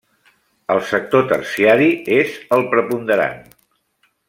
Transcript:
El sector terciari és el preponderant.